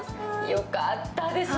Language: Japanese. よかったです。